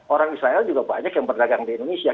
orang israel juga banyak yang berdagang di indonesia